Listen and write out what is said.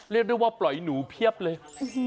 เรียกได้ว่าปล่อยหนูเพียบเลย